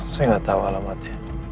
saya gak tau alamatnya